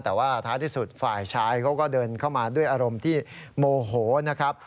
แต่ว่าท้ายที่สุดฝ่ายชายเขาก็เดินเข้ามาด้วยอารมณ์ที่โมโหนะครับ